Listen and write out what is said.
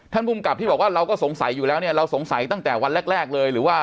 ท่านบุญกับที่บอกว่าเราก็สงสัยอยู่แล้วเราสงสัยตั้งแต่วันแรกเลย